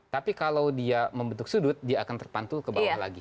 tapi kalau dia membentuk sudut dia akan terpantu ke bawah lagi